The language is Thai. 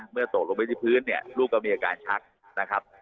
ตกลงไปที่พื้นเนี่ยลูกก็มีอาการชักนะครับ